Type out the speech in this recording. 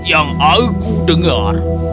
yang aku dengar